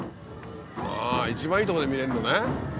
ああ一番いいとこで見れるのね。